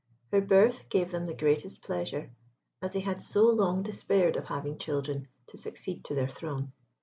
Her birth gave them the greatest pleasure, as they had so long despaired of having children to succeed to their throne.